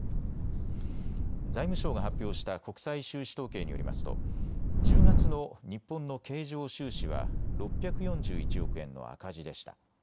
財務省が発表した国際収支統計によりますと１０月の日本の経常収支は６４１億円の赤字でした。